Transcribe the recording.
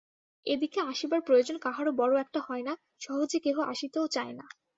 এদিকে আসিবার প্রয়োজন কাহারো বড় একটা হয় না, সহজে কেহ আসিতেও চায় না।